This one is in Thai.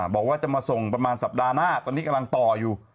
บอกว่าจะมาส่งประมาณสัปดาห์หน้าตอนนี้กำลังต่ออยู่